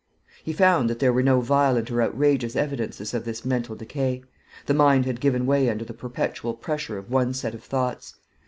He found that there were no violent or outrageous evidences of this mental decay. The mind had given way under the perpetual pressure of one set of thoughts.